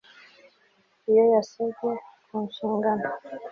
iyo yasobwe ku nshingano